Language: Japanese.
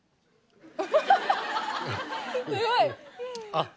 あっ。